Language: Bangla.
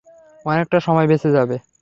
অনেকটা সময় বেঁচে যাবে!